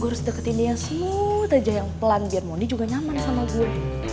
gue harus deketin dia semuut aja yang pelan biar mondi juga nyaman sama gue